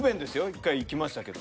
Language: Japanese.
１回行きましたけど。